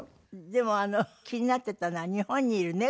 でも気になってたのは日本にいる猫？